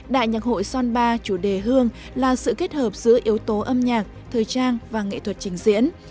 đại nhạc hội son ba chủ đề hương là sự kết hợp giữa yếu tố âm nhạc thời trang và nghệ thuật trình diễn